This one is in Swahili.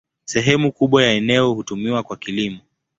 Sehemu kubwa ya eneo hutumiwa kwa kilimo.